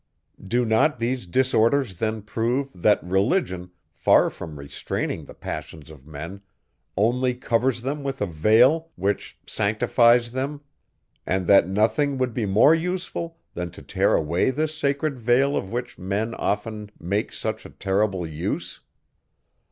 Do not these disorders then prove, that religion, far from restraining the passions of men, only covers them with a veil, which sanctifies them, and that nothing would be more useful, than to tear away this sacred veil of which men often make such a terrible use?